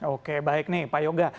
oke baik nih pak yoga